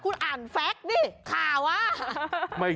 คุณอ่านแฟคดิข่าวว่า